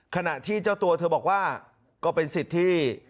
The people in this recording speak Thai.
คุณสิริกัญญาบอกว่า๖๔เสียง